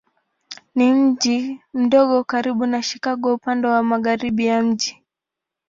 Ni mji mdogo karibu na Chicago upande wa magharibi ya mji.